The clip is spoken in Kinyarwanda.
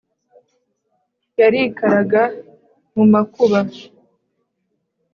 Yarikaraga mu makuba,